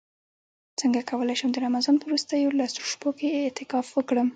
څنګه کولی شم د رمضان په وروستیو لسو شپو کې اعتکاف وکړم